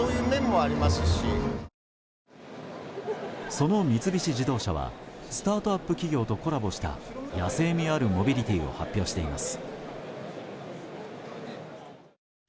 その三菱自動車はスタートアップ企業とコラボした野性味あるモビリティーを発表しています。